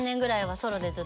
そうですね。